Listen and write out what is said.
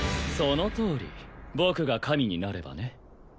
そのとおり僕が神になればね